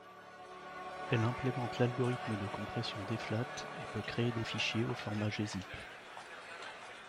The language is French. Elle implémente l'algorithme de compression deflate et peut créer des fichiers au format gzip.